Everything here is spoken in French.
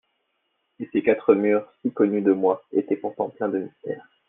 Et ces quatre murs, si connus de moi, étaient pourtant pleins de mystère.